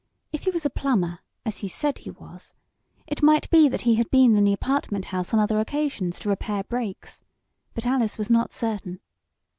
If he was a plumber, as he said he was, it might be that he had been in the apartment house on other occasions to repair breaks. But Alice was not certain.